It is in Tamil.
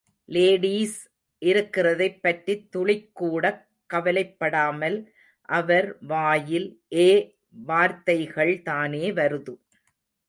லேடீஸ் இருக்கிறதைப் பற்றித் துளிக்கூடக் கவலைப்படாமல் அவர் வாயில் ஏ வார்தைகள்தானே வருது.